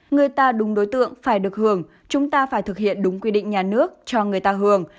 người ta đúng đối tượng phải được hưởng chúng ta phải thực hiện đúng quy định nhà nước cho người ta hưởng